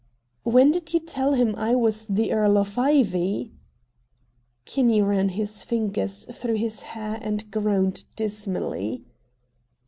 "When did you tell him I was the Earl of Ivy?" Kinney ran his fingers through his hair and groaned dismally.